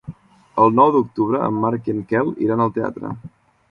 El nou d'octubre en Marc i en Quel iran al teatre.